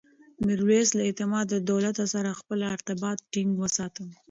میرویس له اعتمادالدولة سره خپل ارتباط ټینګ وساته.